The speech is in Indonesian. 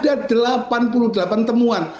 ada delapan puluh delapan temuan